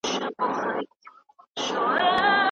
دا بحث اوس هم ګټور بلل کېږي.